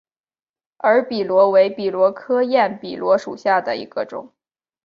耳笔螺为笔螺科焰笔螺属下的一个种。